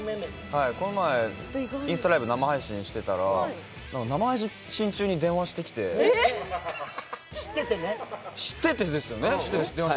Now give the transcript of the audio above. この前、インスタライブ生配信していたら生配信中に電話してきて、知っててですよね。